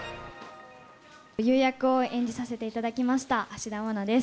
ユイ役を演じさせていただきました、芦田愛菜です。